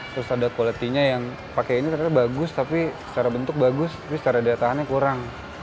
terus ada quality nya yang pakai ini ternyata bagus tapi secara bentuk bagus tapi secara daya tahannya kurang